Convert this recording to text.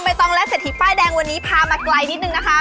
ต้องและเศรษฐีป้ายแดงวันนี้พามาไกลนิดนึงนะคะ